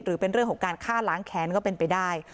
หรือเป็นเรื่องของการฆ่าล้างแค้นก็เป็นไปได้